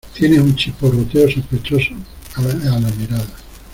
Tienes un chisporroteo sospechoso a la mirada.